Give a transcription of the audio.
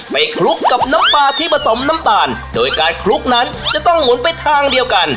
คลุกกับน้ำปลาที่ผสมน้ำตาลโดยการคลุกนั้นจะต้องหมุนไปทางเดียวกัน